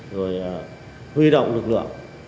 rồi huy động lực lượng